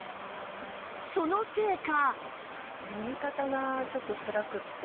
そのせいか